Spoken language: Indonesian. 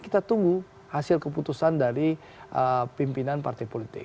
kita tunggu hasil keputusan dari pimpinan partai politik